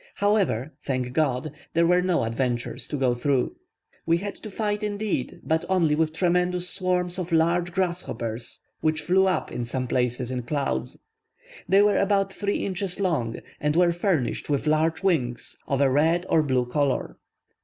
However, thank God, there were no adventures to go through. We had to fight indeed, but only with tremendous swarms of large grasshoppers which flew up in some places in clouds. They were about three inches long, and were furnished with large wings of a red or blue colour.